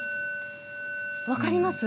分かりますか。